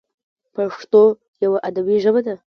پښتو یوه ادبي ژبه ده.